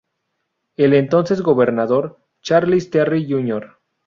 El entonces gobernador Charles Terry, Jr.